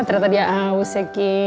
ternyata dia aus ya ki